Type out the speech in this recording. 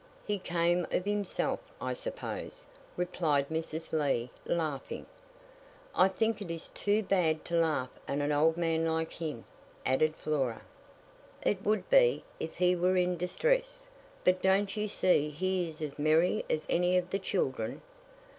"He came of himself, I suppose," replied Mrs. Lee, laughing. "I think it is too bad to laugh at an old man like him," added Flora. "It would be, if he were in distress; but don't you see he is as merry as any of the children?"